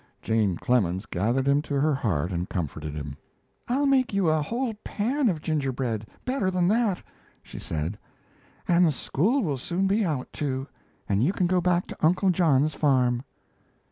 Jane Clemens gathered him to her heart and comforted him. "I'll make you a whole pan of gingerbread, better than that," she said, "and school will soon be out, too, and you can go back to Uncle John's farm."